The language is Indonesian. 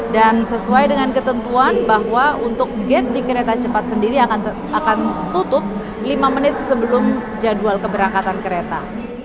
dan sesuai dengan ketentuan bahwa untuk gate di kereta cepat sendiri akan tutup lima menit sebelum jadwal keberangkatan kereta